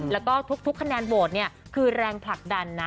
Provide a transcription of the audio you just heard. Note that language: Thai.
แล้วก็ทุกคะแนนโหวตเนี่ยคือแรงผลักดันนะ